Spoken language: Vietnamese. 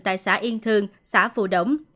tại xã yên thương xã phù đống